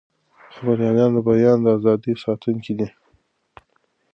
خبریالان د بیان د ازادۍ ساتونکي دي.